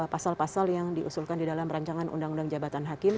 pasal pasal yang diusulkan di dalam rancangan undang undang jabatan hakim